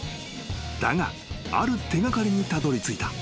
［だがある手掛かりにたどりついた］